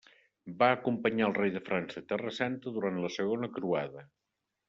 Va acompanyar al rei de França a Terra Santa durant la segona croada.